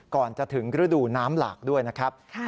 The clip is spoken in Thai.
ก่อนจะถึงฤดูน้ำหลากด้วยนะครับ